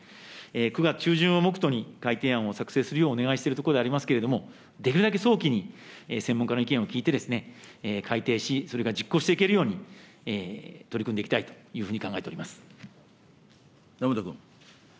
９月中旬を目途に改定案を作成するようお願いしているところでありますけれども、できるだけ早期に専門家の意見を聞いて、改定し、実行していけるように、取り組んでいきたいというふうに考えてお根本君。